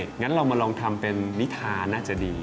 งั้นเรามาลองทำเป็นนิทาน่าจะดี